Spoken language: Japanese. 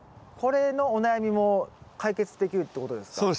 これのお悩みも解決できるってことですか？